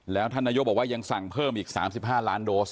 แล้วท่านนายกบอกว่ายังสั่งเพิ่มอีก๓๕ล้านโดส